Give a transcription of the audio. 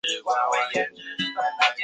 布丁牛奶欧蕾饮料